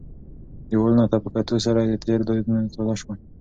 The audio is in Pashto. دیوالونو ته په کتو سره یې د تېر یادونه تازه شول.